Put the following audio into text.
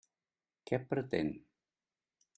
Què pretén?